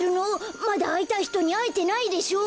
まだあいたいひとにあえてないでしょ！